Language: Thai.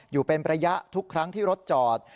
อยู่เป็นระยะทุกครั้งที่รถจอด